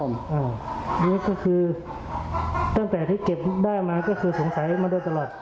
อันนี้ก็คือตั้งแต่ที่เก็บได้มาก็คือสงสัยมาโดยตลอด